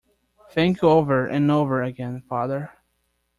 Thank you over and over again, father!